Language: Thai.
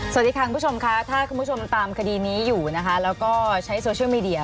สวัสดีค่ะคุณผู้ชมค่ะถ้าคุณผู้ชมตามคดีนี้อยู่นะคะแล้วก็ใช้โซเชียลมีเดีย